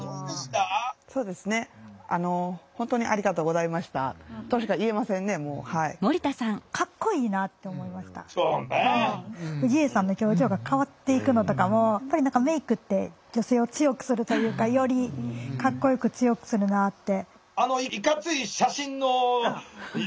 そうですね氏家さんの表情が変わっていくのとかもやっぱり何かメークって女性を強くするというかよりかっこよく強くするなって。